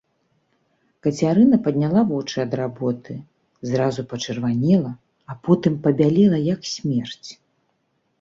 Кацярына падняла вочы ад работы, зразу пачырванела, а потым пабялела як смерць.